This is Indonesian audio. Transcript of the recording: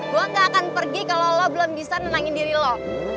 gue gak akan pergi kalau lo belum bisa nenangin diri lo